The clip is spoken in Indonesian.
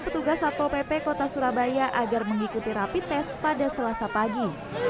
petugas satpol pp kota surabaya agar mengikuti rapi tes pada selasa pagi